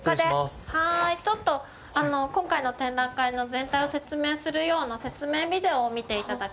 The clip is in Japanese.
ちょっと今回の展覧会の全体を説明するような説明ビデオを見て頂くので。